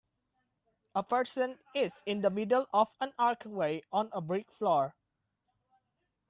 A person is in the middle of an archway on a brick floor.